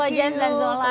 kalo jens dan zola